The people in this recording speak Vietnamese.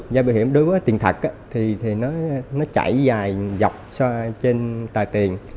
dây bảo hiểm đối với tiền thật thì nó chạy dài dọc so với tài tiền